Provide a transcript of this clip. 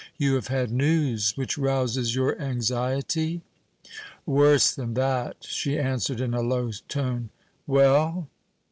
You have had news which rouses your anxiety?" "Worse than that," she answered in a low tone. "Well?"